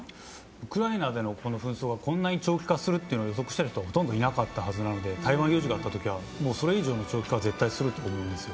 ウクライナでの紛争がこんなに長期化すると予測している人はほとんどいなかったので台湾有事の際はそれ以上の長期化は絶対すると思います。